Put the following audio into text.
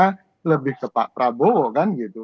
karena lebih ke pak prabowo kan gitu